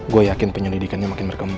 gue yakin penyelidikannya makin berkembang